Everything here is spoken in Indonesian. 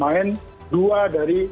berhentikan setiap pemain